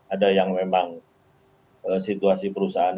ada yang memang situasi perusahaan ya